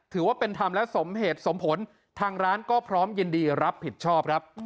ถือว่าเป็นธรรมและสมเหตุสมผลทางร้านก็พร้อมยินดีรับผิดชอบครับ